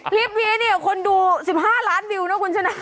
คลิปนี้เนี่ยคนดู๑๕ล้านวิวนะคุณชนะ